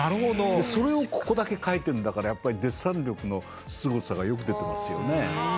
それをここだけ描いてるんだからやっぱりデッサン力のすごさがよく出てますよね。